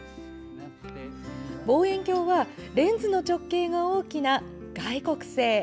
望遠鏡はレンズの直径が大きな外国製。